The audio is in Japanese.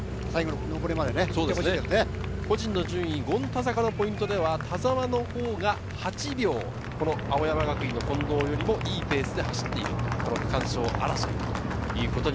個人の順位、権太坂のポイントでは田澤のほうが８秒、青山学院の近藤よりもいいペースで走っています。